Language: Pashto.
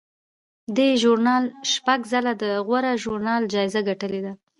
دې ژورنال شپږ ځله د غوره ژورنال جایزه ګټلې ده.